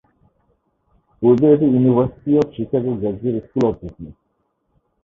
পূর্বে এটি university of Chicago graduate school of business.